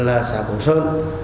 ở xã cổng sơn